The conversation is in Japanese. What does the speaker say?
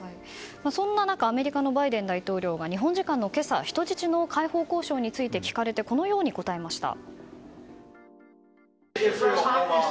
そんな中、アメリカのバイデン大統領が日本時間の今朝、人質の解放交渉について聞かれてこのように答えました。